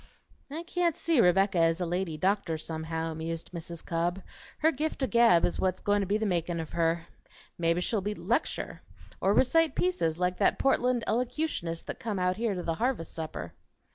"I can't see Rebecca as a lady doctor, somehow," mused Mrs. Cobb. "Her gift o' gab is what's goin' to be the makin' of her; mebbe she'll lecture, or recite pieces, like that Portland elocutionist that come out here to the harvest supper."